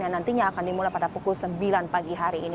yang nantinya akan dimulai pada pukul sembilan pagi hari ini